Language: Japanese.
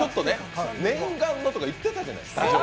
念願のとか言ってたじゃないですか。